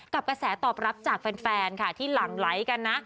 กระแสตอบรับจากแฟนค่ะที่หลั่งไหลกันนะ